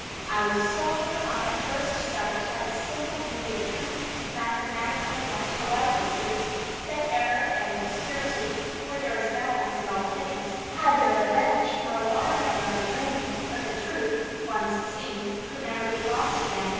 I was so overcome at first sight by the simple beauty of truth, mathematical yet poetical truth, that error and obscurity (for there is a balance in all things) had their revenge for a while on my brain. But the truth, once seen, could never be lost again.